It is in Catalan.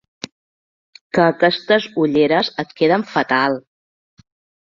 Que aquestes ulleres et queden fatal!